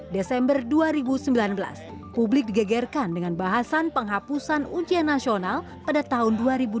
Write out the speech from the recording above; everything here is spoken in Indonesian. desember dua ribu sembilan belas publik digegerkan dengan bahasan penghapusan ujian nasional pada tahun dua ribu dua puluh